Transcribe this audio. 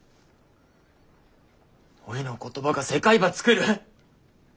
おいの言葉が世界ばつくる。